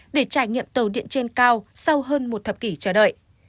để trải nghiệm tàu điện trên cao sau hơn một thập kỷ chờ đợi